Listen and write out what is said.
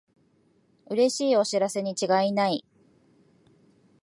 うれしいお知らせにちがいない